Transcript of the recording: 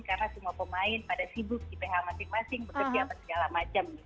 karena semua pemain pada sibuk di ph masing masing bekerja pada segala macam